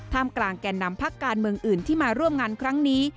กลางแก่นำพักการเมืองอื่นที่มาร่วมงานครั้งนี้